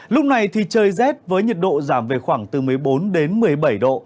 lúc này thì trời rét với nhiệt độ giảm về khoảng từ một mươi bốn đến một mươi bảy độ